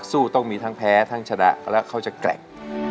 ต้องมีทั้งแพ้ทั้งชนะและเขาจะแกร่ง